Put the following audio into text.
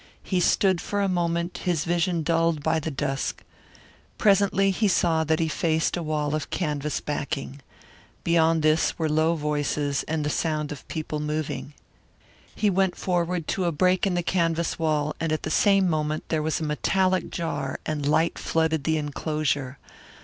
He stood for a moment, his vision dulled by the dusk. Presently he saw that he faced a wall of canvas backing. Beyond this were low voices and the sound of people moving. He went forward to a break in the canvas wall and at the same moment there was a metallic jar and light flooded the enclosure.